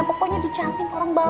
pokoknya dijamin orang baik